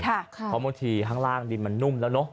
เพราะบางทีข้างล่างดินมันนุ่มแล้วเนอะ